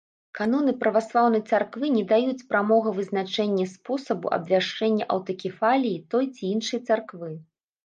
Каноны праваслаўнай царквы не даюць прамога вызначэння спосабу абвяшчэння аўтакефаліі той ці іншай царквы.